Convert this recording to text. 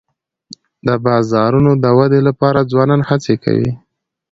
د بازارونو د ودي لپاره ځوانان هڅي کوي.